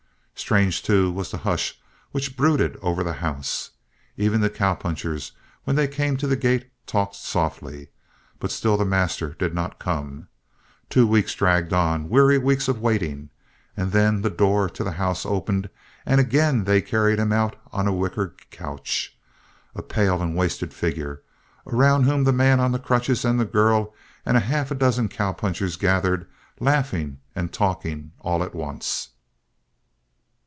Strange, too, was the hush which brooded over the house. Even the cowpunchers, when they came to the gate, talked softly. But still the master did not come. Two weeks dragged on, weary weeks of waiting, and then the door to the house opened and again they carried him out on a wicker couch, a pale and wasted figure, around whom the man on the crutches and the girl and half a dozen cowpunchers gathered laughing and talking all at once.